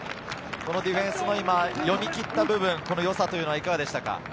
ディフェンスも今、読み切った部分、よさというのはいかがでしたか？